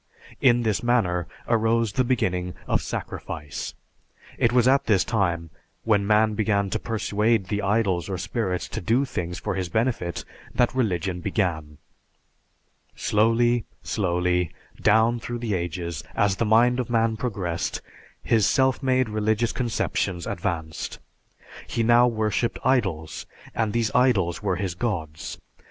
In this manner arose the beginning of "sacrifice." It was at this time, when man began to persuade the idols or spirits to do things for his benefit that religion began. Slowly, slowly, down through the ages, as the mind of man progressed, his self made religious conceptions advanced. He now worshiped idols, and these idols were his gods.